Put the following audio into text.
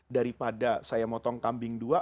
daripada saya motong kambing dua